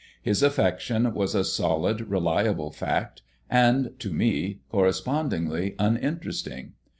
His affection was a solid, reliable fact, and, to me, correspondingly uninteresting.